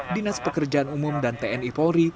dinas pekerjaan umum dan tni polri